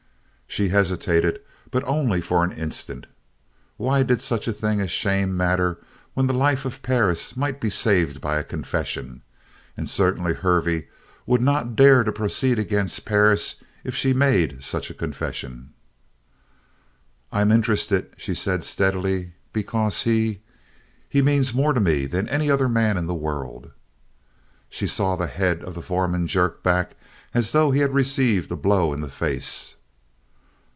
She hesitated, but only for an instant. What did such a thing as shame matter when the life of Perris might be saved by a confession? And certainly Hervey would not dare to proceed against Perris if she made such a confession. "I'm interested," she said steadily, "because he he means more to me than any other man in the world." She saw the head of the foreman jerk back as though he had received a blow in the face.